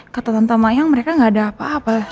kata tante mayang mereka gak ada apa apa